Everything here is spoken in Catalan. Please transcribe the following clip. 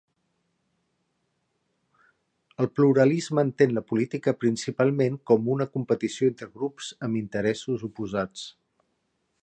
El pluralisme entén la política principalment com a una competició entre grups amb interessos oposats.